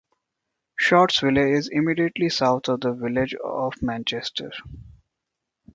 Shortsville is immediately south of the Village of Manchester.